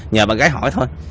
nhờ bà gái hỏi thôi